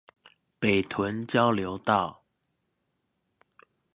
北屯交流道